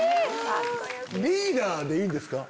リーダーでいいんですか？